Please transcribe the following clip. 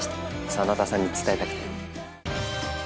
真田さんに伝えたくて。